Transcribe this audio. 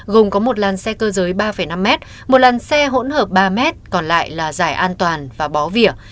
gồm có một làn xe cơ giới ba năm mét một làn xe hỗn hợp ba mét còn lại là giải an toàn và bó vỉa